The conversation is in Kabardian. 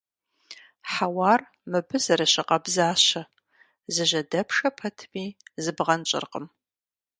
Хьэуар мыбы зэрыщыкъабзащэ, зыжьэдэпшэ пэтми, зыбгъэнщӀыркъым.